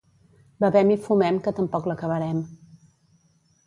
Bevem i fumem que tampoc l'acabarem.